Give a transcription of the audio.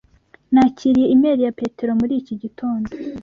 Nakiriye imeri ya Petero muri iki gitondo.